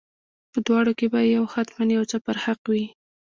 په دواړو کې به یو حتما یو څه پر حق وي.